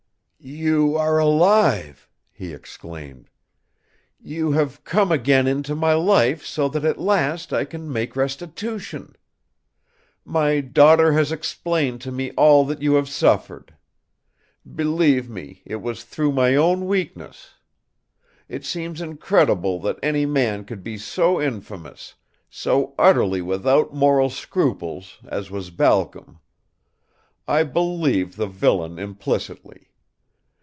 "You are alive!" he exclaimed. "You have come again into my life so that at last I can make restitution. My daughter has explained to me all that you have suffered. Believe me it was through my own weakness. It seems incredible that any man could be so infamous, so utterly without moral scruples, as was Balcom. I believed the villain implicitly.